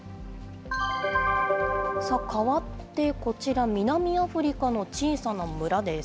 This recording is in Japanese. さあ、変わってこちら、南アフリカの小さな村です。